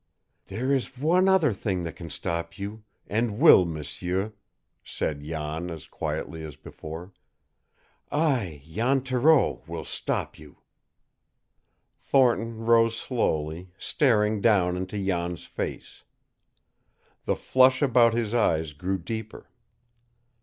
"There is one other thing that can stop you, and will, m'sieur," said Jan as quietly as before. "I, Jan Thoreau, will stop you." Thornton rose slowly, staring down into Jan's face. The flush about his eyes grew deeper.